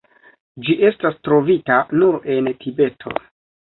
Ĝi estas trovita nur en Tibeto.